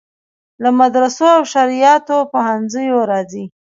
له مدرسو او شرعیاتو پوهنځیو راځي.